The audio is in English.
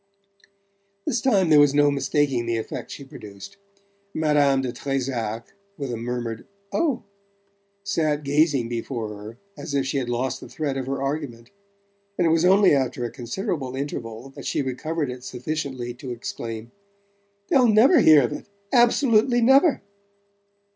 This time there was no mistaking the effect she produced. Madame de Trezac, with a murmured "Oh," sat gazing before her as if she had lost the thread of her argument; and it was only after a considerable interval that she recovered it sufficiently to exclaim: "They'll never hear of it absolutely never!"